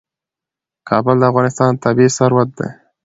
کابل د افغانستان طبعي ثروت دی.